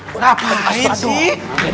kenapa ini sih